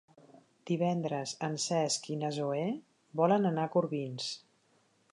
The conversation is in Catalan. Divendres en Cesc i na Zoè volen anar a Corbins.